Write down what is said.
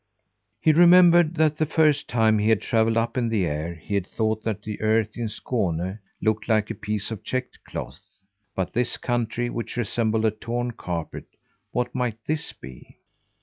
He remembered that the first time he had travelled up in the air, he had thought that the earth in Skåne looked like a piece of checked cloth. But this country which resembled a torn carpet what might this be?